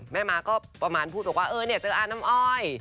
ม้าก็ประมาณพูดบอกว่าเออเนี่ยเจออาน้ำอ้อย